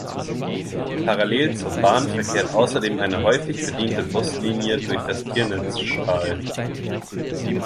Parallel zur Bahn verkehrt außerdem eine häufig bediente Buslinie durch das Kirnitzschtal.